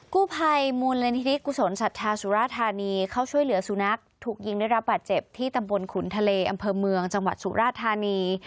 กู้ภัยมูลนิธิกุศลศรัทธาสุราธานีเข้าช่วยเหลือสุนัขถูกยิงได้รับบาดเจ็บที่ตำบลขุนทะเลอำเภอเมืองจังหวัดสุราธานี